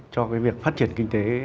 cho việc phát triển kinh tế